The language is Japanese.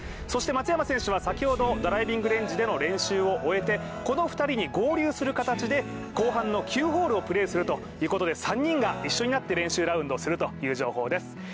そして松山選手は先ほど、ドライビングレンジでの練習を終えてこの２人に合流する形で、後半の９ホールをプレーするということで一緒に練習するということです。